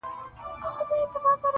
هر څوک د پیښي خپل تفسير وړاندي کوي,